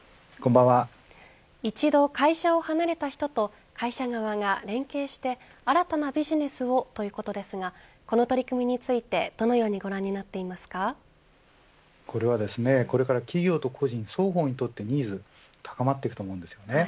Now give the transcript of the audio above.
一度、会社を離れた人と会社側が連携して新たなビジネスをということですがこの取り組みについてどのようにこれは、これから企業と個人双方にとってニーズが高まると思います。